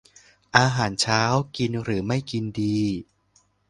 อาหารเช้า กินหรือไม่กินดี